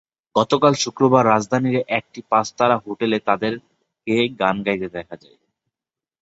গতকাল শুক্রবার রাজধানীর একটি পাঁচতারা হোটেলে তাঁদেরকে গান গাইতে দেখা যায়।